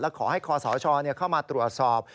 และขอให้ขอสาวชอเข้ามาตรวจสอบ